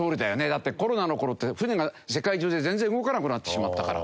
だってコロナの頃って船が世界中で全然動かなくなってしまったから。